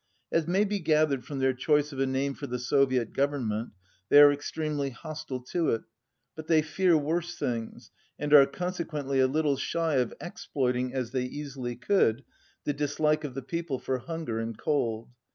As may be gathered from their choice of a name for the Soviet Government, they are extremely hostile to it, but they fear worse things, and are CO" >,quently a little shy of exploiting as they easily could the dislike of the people for hunger and cold.